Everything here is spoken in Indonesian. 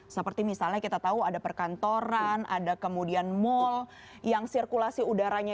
seperti misalnya kita tahu ada perkantoran ada kemudian mal yang sirkulasi udaranya